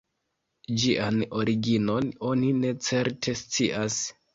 Ĝian originon oni ne certe scias.